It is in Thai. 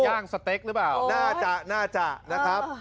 ย่างสเต็กหรือเปล่าน่าจะน่าจะนะครับ